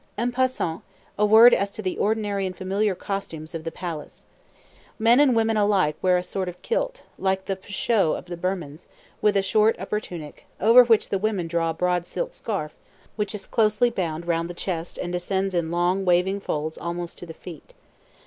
En passant, a word as to the ordinary and familiar costumes of the palace. Men and women alike wear a sort of kilt, like the pu'sho of the Birmans, with a short upper tunic, over which the women draw a broad silk scarf, which is closely bound round the chest and descends in long, waving folds almost to the feet.